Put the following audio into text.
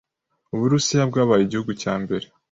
Uburusiya bwabaye igihugu cya mbere